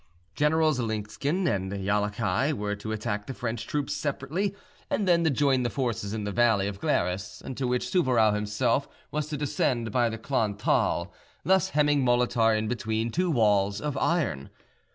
Generals Linsken and Jallachieh were to attack the French troops separately and then to join the forces in the valley of Glaris, into which Souvarow himself was to descend by the Klon Thal, thus hemming Molitor in between two walls of iron.